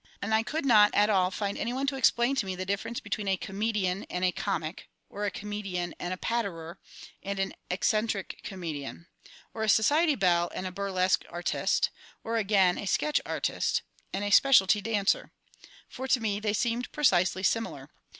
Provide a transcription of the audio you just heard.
And I could not at all find anyone to explain to me the difference between a "Comedian" and a "Comic"; or a "Comedian and Patterer" and an "Eccentric Comedian"; or a "Society Belle" and a "Burlesque Artiste"; or, again, "A Sketch Artiste" and a "Speciality Dancer." For to me they seemed precisely similar.